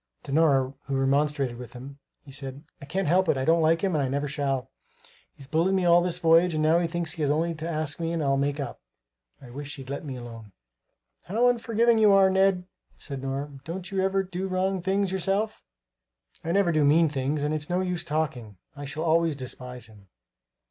To Nora who remonstrated with him he said: "I can't help it; I don't like him and I never shall. He's bullied me all the voyage and now he thinks he has only to ask me and I'll make up. I wish he'd let me alone!" "How unforgiving you are, Ned," said Nora, "don't you ever do wrong things yourself?" "I never do mean things. And it's no use talking; I shall always despise him."